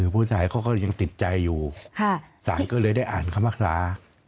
ผู้ชายเขาก็ยังติดใจอยู่ศาลก็เลยได้อ่านคำภาษา